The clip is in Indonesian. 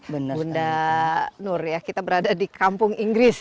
bunda nur ya kita berada di kampung inggris